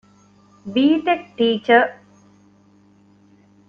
ބީޓެކް ޓީޗަރ